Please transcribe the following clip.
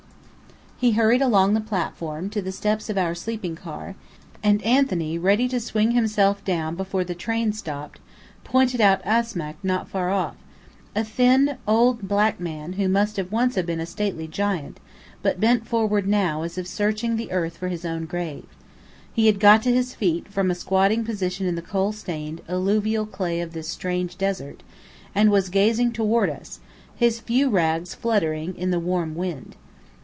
He hurried along the platform to the steps of our sleeping car; and Anthony, ready to swing himself down before the train stopped, pointed out Asmack not far off, a thin old black man who must once have been a stately giant, but bent forward now as if searching the earth for his own grave. He had got to his feet, from a squatting position in the coal stained, alluvial clay of this strange desert, and was gazing toward us, his few rags fluttering in the warm wind.